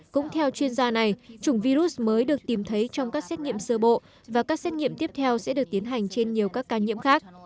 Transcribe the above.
cũng theo chuyên gia này chủng virus mới được tìm thấy trong các xét nghiệm sơ bộ và các xét nghiệm tiếp theo sẽ được tiến hành trên nhiều các ca nhiễm khác